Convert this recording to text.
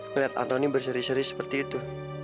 melihat antoni berseri seri seperti itu